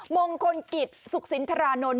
มงคลกิจสุขสินทรานนท์